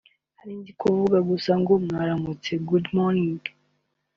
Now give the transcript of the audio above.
narinzi kuvuga gusa ngo Mwaramutse (Good morning)